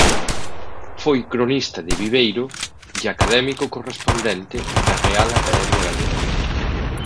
Foi cronista de Viveiro e académico correspondente da Real Academia Galega.